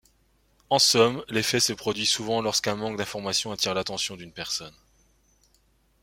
En somme, l'effet se produit souvent lorsqu'un manque d'information attire l'attention d'une personne.